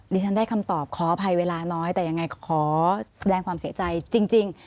ฉันได้คำตอบขออภัยเวลาน้อยแต่ยังไงขอแสดงความเสียใจจริง